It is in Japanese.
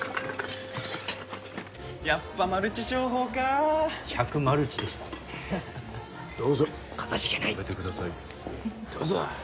やっぱマルチ商法か１００マルチでしたどうぞかたじけない食べてくださいどうぞ！